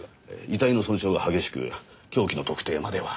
遺体の損傷が激しく凶器の特定までは。